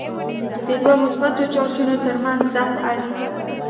د دوو مثبت چارجونو ترمنځ دفعه وي.